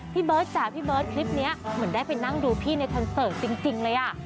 พี่เบิร์ตจ๋าพี่เบิร์ตคลิปนี้เหมือนได้ไปนั่งดูพี่ในคอนเสิร์ตจริงเลยอ่ะ